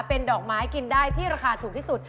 เป็นดอกไม้กินได้ที่ราคาถูกที่สุด